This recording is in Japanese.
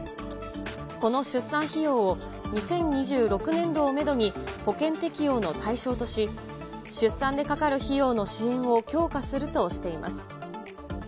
この出産費用を、２０２６年度をメドに、保険適用の対象とし、出産でかかる費用の支援を強化するとしています。